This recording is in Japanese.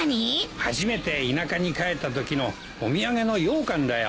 初めて田舎に帰ったときのお土産のようかんだよ。